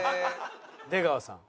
出川さん。